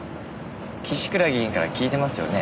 岸倉議員から聞いてますよね？